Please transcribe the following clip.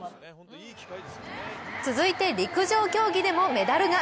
続いて陸上競技でもメダルが。